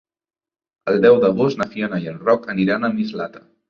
El deu d'agost na Fiona i en Roc aniran a Mislata.